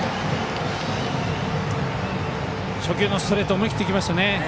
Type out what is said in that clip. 初球のストレート思い切っていきましたね。